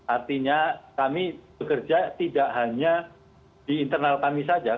artinya kami bekerja tidak hanya di internal kami saja